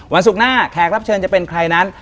วันศุกร์หน้าแขกรับเชิญจะเป็นใครนั้น